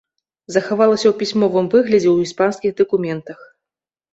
Захавалася ў пісьмовым выглядзе ў іспанскіх дакументах.